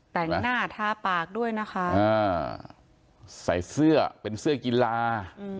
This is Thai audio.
แต่งหน้าทาปากด้วยนะคะใส่เสื้อเป็นเสื้อกีฬา